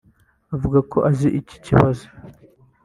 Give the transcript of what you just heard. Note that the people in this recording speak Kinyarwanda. avuga ko azi iki kibazo